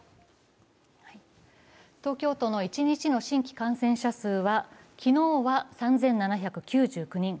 東京都の一日の新規感染者数は昨日は３７９９人。